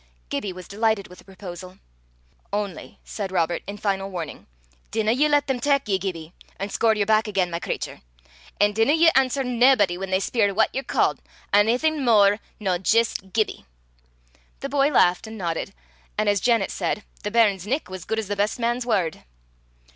Gibbie was delighted with the proposal. "Only," said Robert, in final warning, "dinna ye lat them tak ye, Gibbie, an' score yer back again, my cratur; an' dinna ye answer naebody, whan they speir what ye're ca'd, onything mair nor jist Gibbie." The boy laughed and nodded, and, as Janet said, the bairn's nick was guid 's the best man's word.